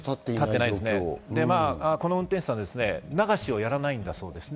この運転手さんは流しをやらないんだそうです。